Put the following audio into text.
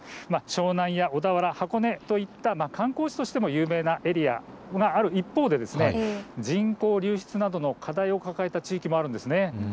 湘南や小田原、箱根といった観光地としても有名なエリア、その一方で人口流出などの課題を抱えた地域もあるんです。